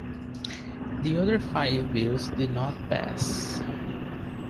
The other five bills did not pass.